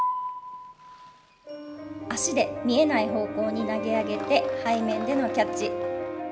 足で見えない方向に投げ上げて背面でのキャッチ。